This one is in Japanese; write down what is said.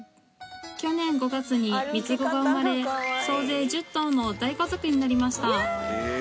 去年５月に三つ子が生まれ総勢１０頭の大家族になりました